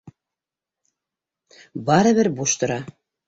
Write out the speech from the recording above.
Барыбер буш тора.